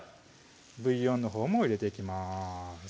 ブイヨンのほうも入れていきます